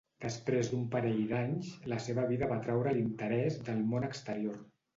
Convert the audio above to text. Després d'un parell d'anys, la seva vida va atraure l'interès del món exterior.